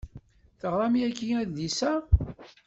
Teɣram yagi adlis-a.